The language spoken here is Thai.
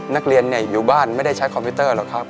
นักเรียนอยู่บ้านไม่ได้ใช้คอมพิวเตอร์หรอกครับ